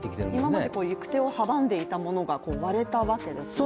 今まで行く手を阻んでいたものが割れたわけですね。